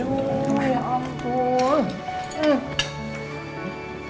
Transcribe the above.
aduh ya ampun